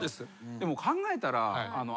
でも考えたら。